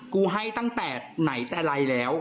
กูให้ตั้งแต่ไหนแต่ไรแล้ว